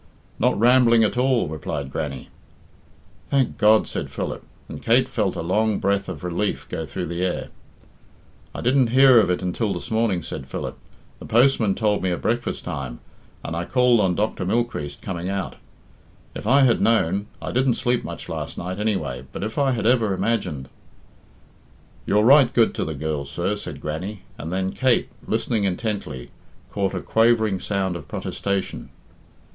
"Not rambling at all," replied Grannie. "Thank God," said Philip, and Kate felt a long breath of relief go through the air. "I didn't hear of it until this morning," said Philip. "The postman told me at breakfast time, and I called on Dr. Mylechreest coming out. If I had known I didn't sleep much last night, anyway; but if I had ever imagined " "You're right good to the girl, sir," said Grannie, and then Kate, listening intently, caught a quavering sound of protestation.